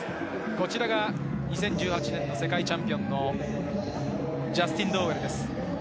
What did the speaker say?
こちらが２０１８年の世界チャンピョンのジャスティン・ドーウェルです。